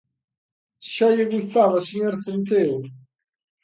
Xa lle gustaba, señor Centeo.